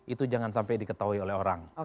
itu jangan sampai diketahui oleh orang